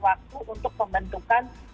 waktu untuk membentukkan